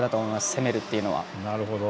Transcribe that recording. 攻めるっていうのは。